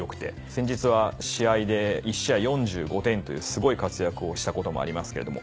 先日は試合で１試合４５点というすごい活躍をしたこともありますけれども。